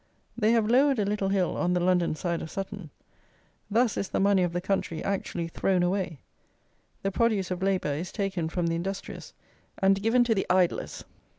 They have lowered a little hill on the London side of Sutton. Thus is the money of the country actually thrown away: the produce of labour is taken from the industrious, and given to the idlers.